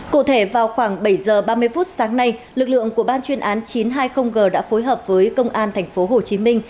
cổ thể vào khoảng bảy giờ ba mươi phút sáng nay lực lượng của ban chuyên án chín trăm hai mươi g đã phối hợp với công an tp hcm